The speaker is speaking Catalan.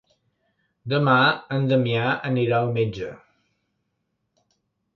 Demà en Damià anirà al metge.